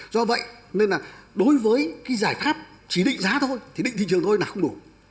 do vậy nên là đối với cái giải pháp chỉ định giá thôi thì định thị trường thôi là không đủ